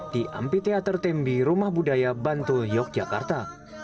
di ampi teater tembi rumah budaya bantul yogyakarta